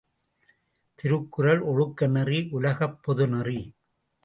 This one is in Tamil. திருக்குறள் ஒழுக்க நெறி உலகப் பொதுநெறி.